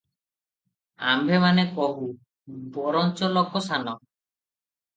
ଆମ୍ଭେମାନେ କହୁ, ବରଞ୍ଚ ଲୋକସାନ ।